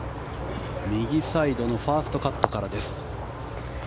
右サイドのファーストカットからです。